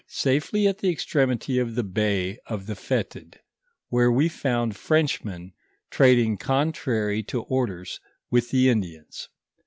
safely at the ex tremity of the bay of the Fetid, where wo found Frenchmen trading contrary to orders with the Indiana.